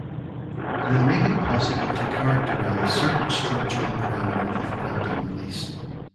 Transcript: They make it possible to characterize certain structural parameters of quantum release.